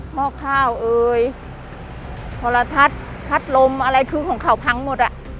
หม้อกข้าวพลทัศน์คัดลมอะไรคือของเขาพังหมด